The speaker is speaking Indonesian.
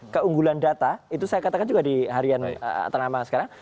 keunggulan data itu saya katakan juga di harian ternama sekarang